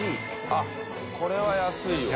あっこれは安いわ。